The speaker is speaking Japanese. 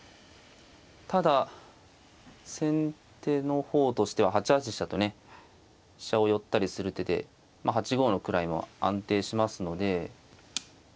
ただ先手の方としては８八飛車とね飛車を寄ったりする手で８五の位も安定しますので。